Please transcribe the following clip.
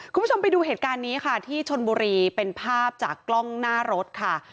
คุณผู้ชมไปดูเหตุการณ์นี้ค่ะที่ชนบุรีเป็นภาพจากกล้องหน้ารถค่ะ